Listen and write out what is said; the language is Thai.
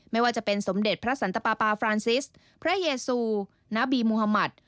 ไม่ว่าจะเป็นสมเด็จพระสันตปาปาฟรานซิสพระเยซูณบีมุธมัติ